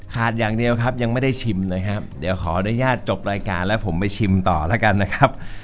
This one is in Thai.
ขาดอย่างเดียวครับยังไม่ได้ชิมนะครับขออนุญาตจบรายการแล้วผมไปชิมต่อนะคะ